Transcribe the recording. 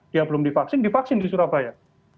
dia belum divaksin divaksin di surabaya